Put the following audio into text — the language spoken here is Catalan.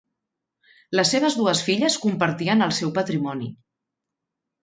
Les seves dues filles compartien el seu patrimoni.